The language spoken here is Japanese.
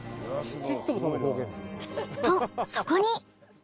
とそこに。